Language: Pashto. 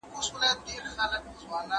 نرمه خبره قهر سړوي.